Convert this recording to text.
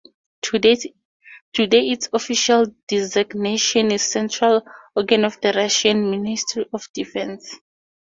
Today its official designation is Central Organ of the Russian Ministry of Defence.